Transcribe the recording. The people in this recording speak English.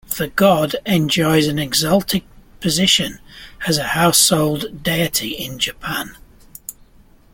The god enjoys an exalted position as a household deity in Japan.